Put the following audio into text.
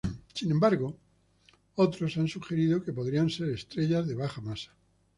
Sin embargo, otros han sugerido que podrían ser estrellas de baja masa.